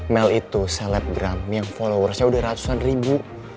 mel itu selebgram yang followersnya udah ratusan ribu